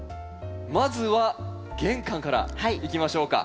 まずは玄関からいきましょうか。